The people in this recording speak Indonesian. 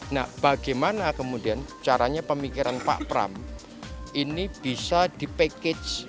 nah bagaimana kemudian caranya pemikiran pak pram ini bisa di package